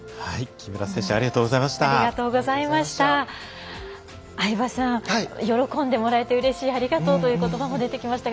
木村選手ありがとうございました。